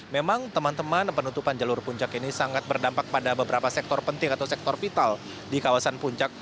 memang teman teman penutupan jalur puncak ini sangat berdampak pada beberapa sektor penting atau sektor vital di kawasan puncak